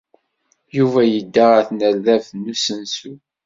Yuba yedda ɣer tnerdabt n usensu.